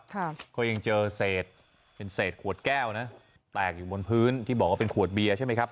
ก็ยังเจอเศษเป็นเศษขวดแก้วนะแตกอยู่บนพื้นที่บอกว่าเป็นขวดเบียร์ใช่ไหมครับ